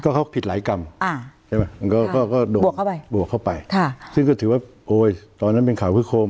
ก็เขาผิดหลายกรรมบวกเข้าไปซึ่งก็ถือว่าตอนนั้นเป็นข่าวคือโคม